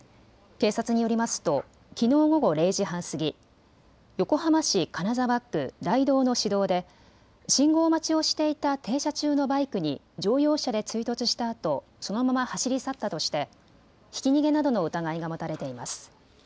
警察によりますときのう午後０時半過ぎ、横浜市金沢区大道の市道で信号待ちをしていた停車中のバイクに乗用車で追突したあとそのまま走り去ったとしてひき逃げなどの疑いが持たれています。